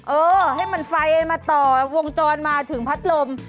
เออให้มันไฟมาต่อวงจรมาถึงพัดลม